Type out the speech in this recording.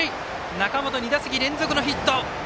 中本、２打席連続のヒット！